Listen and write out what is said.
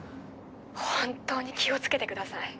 本当に気を付けてください。